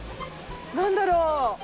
何だろう？